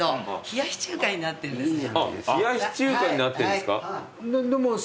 冷やし中華になってんですか。